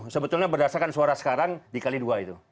sebetulnya berdasarkan suara sekarang dikali dua itu